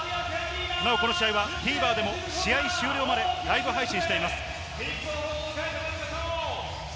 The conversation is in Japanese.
なおこの試合はＴＶｅｒでも試合終了までライブ配信しています。